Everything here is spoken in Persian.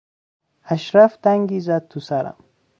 اشرف دنگی زد توسرم.